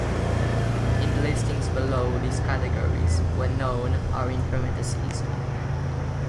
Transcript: In the listings below, these categories, where known, are in parentheses.